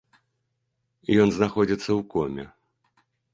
Ён знаходзіцца ў коме.